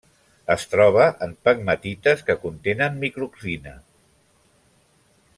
Es troba en pegmatites que contenen microclina.